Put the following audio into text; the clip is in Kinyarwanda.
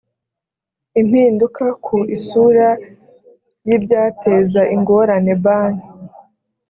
impinduka ku isura ry’ ibyateza ingorane banki